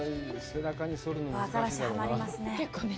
アザラシ、はまりますね。